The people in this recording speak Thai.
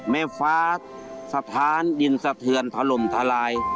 ไม่ฟ้าสะทานยินสะเทือนทะลมทะลาย